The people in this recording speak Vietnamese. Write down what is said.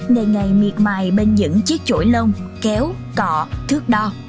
ngày ngày miệt mài bên những chiếc chổi lông kéo cọ thước đo